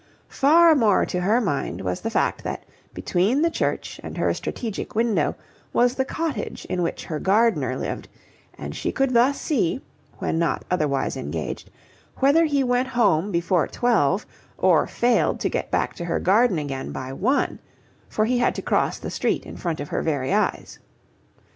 Far more to her mind was the fact that between the church and her strategic window was the cottage in which her gardener lived, and she could thus see, when not otherwise engaged, whether he went home before twelve, or failed to get back to her garden again by one, for he had to cross the street in front of her very eyes.